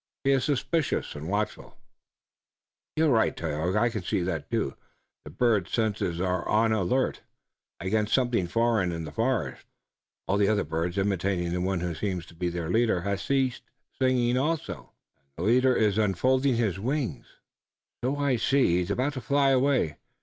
He is suspicious and watchful." "You're right, Tayoga. I can see, too, that the bird's senses are on the alert against something foreign in the forest. All the other birds, imitating the one who seems to be their leader, have ceased singing also." "And the leader is unfolding his wings." "So I see. He is about to fly away.